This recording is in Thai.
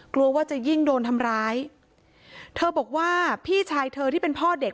กลัวว่าจะยิ่งโดนทำร้ายเธอบอกว่าพี่ชายเธอที่เป็นพ่อเด็ก